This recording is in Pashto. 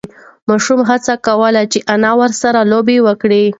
ماشوم هڅه کوله چې انا ورسه لوبه وکړي.